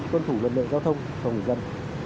quân thủ vận động giao thông của người dân